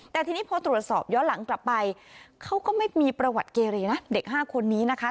แต่ทีนี้พอตรวจสอบย้อนหลังกลับไปเขาก็ไม่มีประวัติเกเรนะเด็ก๕คนนี้นะคะ